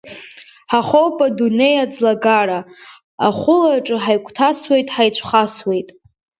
Ҳахоуп адунеи аӡлагара, ахәылаҿы ҳаигәҭасуеит, ҳаицәхасуеит.